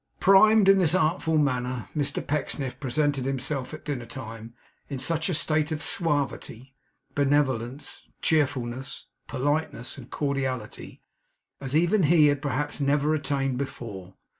Primed in this artful manner, Mr Pecksniff presented himself at dinner time in such a state of suavity, benevolence, cheerfulness, politeness, and cordiality, as even he had perhaps never attained before.